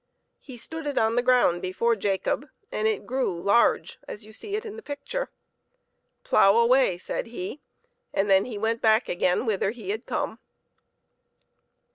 He stood it on the ground before Jacob, and it grew large as you see it in the picture. " Plough away," said he, and then he went back again whither he had come.